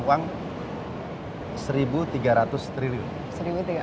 uang rp satu tiga ratus triliun